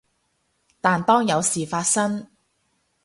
但當有事發生